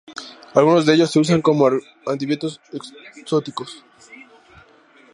Algunos de ellos se usan como antibióticos citotóxicos.